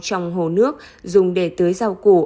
trong hồ nước dùng để tưới rau củ